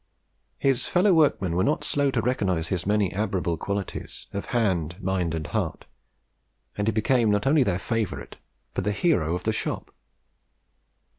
His fellow workmen were not slow to recognise his many admirable qualities, of hand, mind, and heart; and he became not only the favourite, but the hero of the shop.